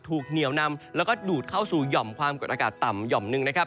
เหนียวนำแล้วก็ดูดเข้าสู่หย่อมความกดอากาศต่ำหย่อมหนึ่งนะครับ